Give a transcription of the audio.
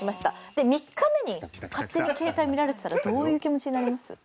で３日目に勝手に携帯見られてたらどういう気持ちになります？